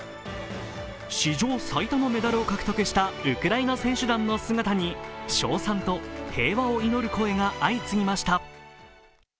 史上最多のメダルを獲得したウクライナ選手団の姿に称賛と平和を祈る声が相次ぎました。